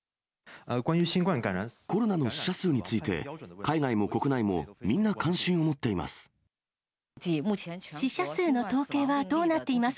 コロナの死者数について、海外も国内も、みんな関心を持っています。